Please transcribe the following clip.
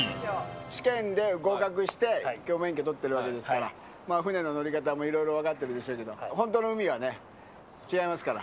試験で合格して、きょう、１級免許取ってるわけですから、まあ、船の乗り方も、いろいろ分かってるでしょうけど、本当の海はね、違いますから。